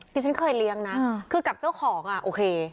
ฉันเคยเลี้ยงนะคือกับเจ้าของอ่ะโอเค